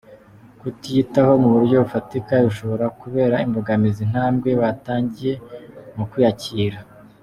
Kutiyitaho mu buryo bufatika bishobora kubera imbogamizi intambwe watangiye mu kwiyakira.